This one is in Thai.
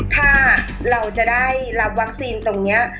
ถ้าเราจะได้รับวัคซีนตรงนี้